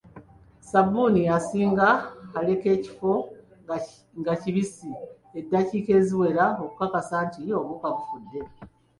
Ssabbuni asinga aleka ekifo nga kibiisi edakiika eziwela okukakasa nti obuwuka bufudde.